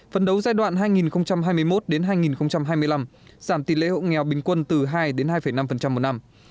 phấn đấu giai đoạn hai nghìn hai mươi một hai nghìn hai mươi năm giảm tỷ lệ hộ nghèo bình quân từ hai đến hai năm một năm